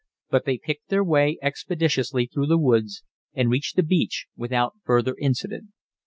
But they picked their way expeditiously through the woods, and reached the beach without further incident.